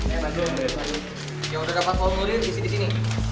yang udah dapat formulir diisi di sini